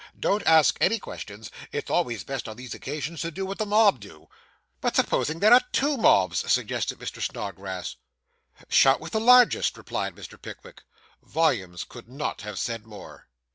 Don't ask any questions. It's always best on these occasions to do what the mob do.' 'But suppose there are two mobs?' suggested Mr. Snodgrass. 'Shout with the largest,' replied Mr. Pickwick. Volumes could not have said more.